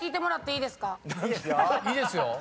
いいですよ。